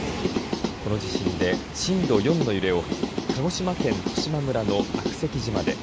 この地震で震度４の揺れを鹿児島県十島村の悪石島で。